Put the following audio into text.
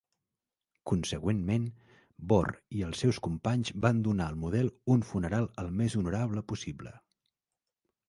Consegüentment, Bohr i els seus companys van donar al model "un funeral el més honorable possible".